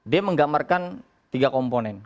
dia menggambarkan tiga komponen